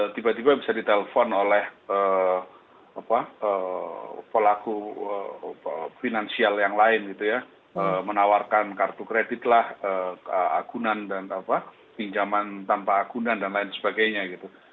tiba tiba bisa ditelepon oleh pelaku finansial yang lain gitu ya menawarkan kartu kredit lah akunan dan pinjaman tanpa agunan dan lain sebagainya gitu